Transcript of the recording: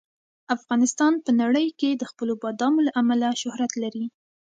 افغانستان په نړۍ کې د خپلو بادامو له امله شهرت لري.